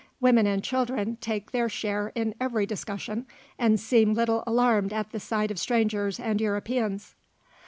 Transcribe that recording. Women and children take their share in every discussion, and seem little alarmed at the sight of strangers and Europeans.